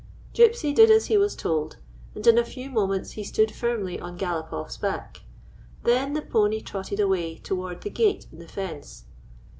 Gypsy did as he was told, and in a few mo ments he stood firmly on Galopoflf's back. Then the pony trotted away toward the gate in the fence.